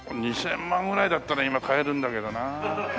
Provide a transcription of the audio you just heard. ２０００万ぐらいだったら今買えるんだけどな。